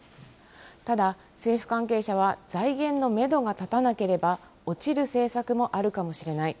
ただ、政府関係者は、財源のメドが立たなければ、落ちる政策もあるかもしれない。